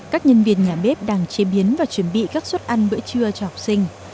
các nhân viên nhà bếp đang chế biến và chuẩn bị các suất ăn bữa trưa cho học sinh